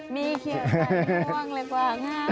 มีเขียวใจหลีกว่างห้าง